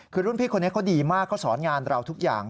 คือรุ่นพี่คนนี้เขาดีมากเขาสอนงานเราทุกอย่าง